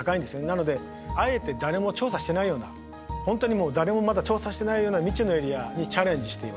なのであえて誰も調査してないような本当に誰もまだ調査してないような未知のエリアにチャレンジしています。